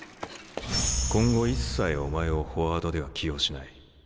今後一切お前をフォワードでは起用しない。